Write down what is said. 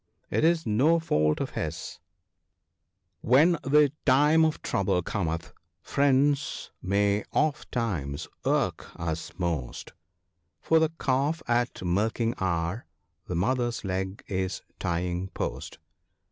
it is no fault of his ; "When the time of trouble cometh, friends may oftimes irk us most : For the calf at milking hour the mother's leg is tying post."